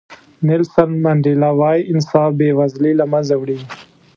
نیلسن منډیلا وایي انصاف بې وزلي له منځه وړي.